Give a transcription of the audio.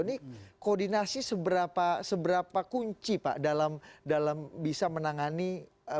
ini koordinasi seberapa kunci pak dalam bisa menangani